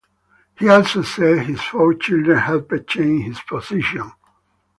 He also said his four children helped change his position.